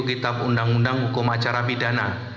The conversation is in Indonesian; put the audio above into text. kitab undang undang hukum acara pidana